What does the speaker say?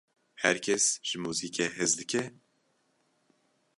Her kes ji muzîkê hez dike?